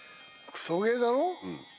クソゲーだろ？